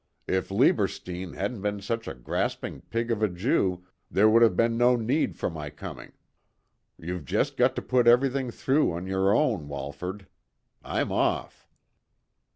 If Lieberstein hadn't been such a grasping pig of a Jew there would have been no need for my coming. You've just got to put everything through on your own, Walford. I'm off."